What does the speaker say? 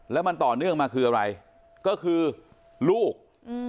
แล้วมันต่อเนื่องมาคืออะไรก็คือลูก